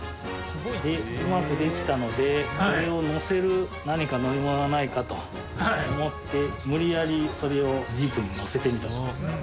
でうまくできたのでこれをのせる何か乗り物はないかと思って無理やりそれをジープにのせてみたんです。